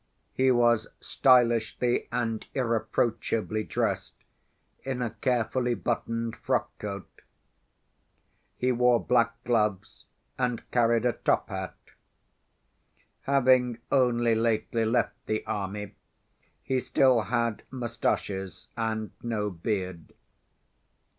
He was stylishly and irreproachably dressed in a carefully buttoned frock‐ coat. He wore black gloves and carried a top‐hat. Having only lately left the army, he still had mustaches and no beard.